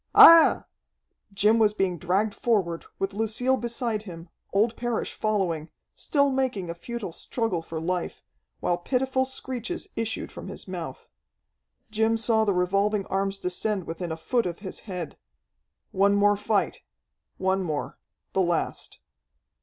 Aiah!" Jim was being dragged forward, with Lucille beside him, old Parrish following, still making a futile struggle for life, while pitiful screeches issued from his mouth. Jim saw the revolving arms descend within a foot of his head. One more fight one more, the last.